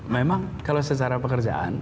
memang kalau secara pekerjaan